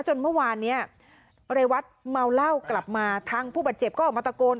จนเมื่อวานเนี้ยเรวัตเมาเหล้ากลับมาทางผู้บาดเจ็บก็ออกมาตะโกน